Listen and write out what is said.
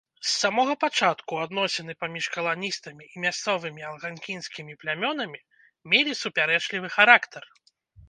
З самога пачатку адносіны паміж каланістамі і мясцовымі алганкінскімі плямёнамі мелі супярэчлівы характар.